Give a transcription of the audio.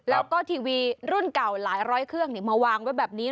แล้วก็ทีวีรุ่นเก่าหลายร้อยเครื่องมาวางไว้แบบนี้